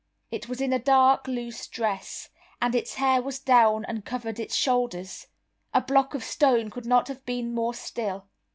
It was in a dark loose dress, and its hair was down and covered its shoulders. A block of stone could not have been more still.